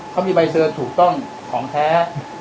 เขามีใบเซอร์ถูกต้องของแท้